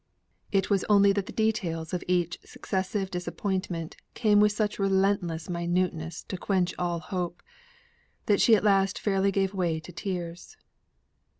It was only that the details of each successive disappointment came with such relentless minuteness to quench all hope, that she at last fairly gave way to tears.